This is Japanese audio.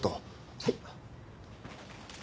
はい？